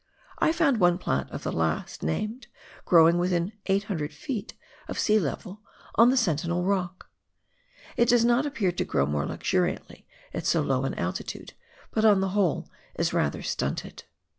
I found one plant of the last named growing within 800 ft. of sea level on the Sentinel Rock. It does not appear to grow more luxuriantly at so low an altitude, but on the whole is rather stunted.